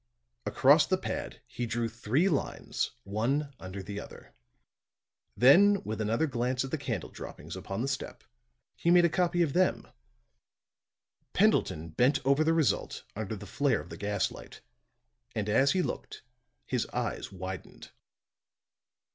Across the pad he drew three lines one under the other. Then with another glance at the candle droppings upon the step, he made a copy of them that looked like this: [Illustration: sketch of clue] Pendleton bent over the result under the flare of the gas light; and as he looked his eyes widened.